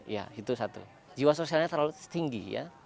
ya itu satu jiwa sosialnya terlalu tinggi ya